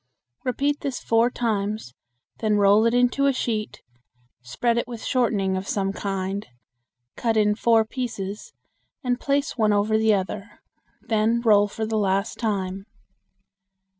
Repeat this four times, then roll it into a sheet, spread it with shortening of some kind, cut in four pieces, and place one over the other. Then roll for the last time.